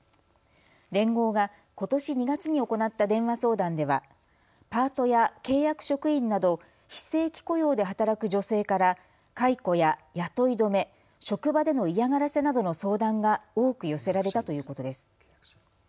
連合がことし２月に行った電話相談ではパートや契約職員など非正規雇用で働く女性から解雇や雇い止め、職場での嫌がらせなどの相談が多く寄せられたということです。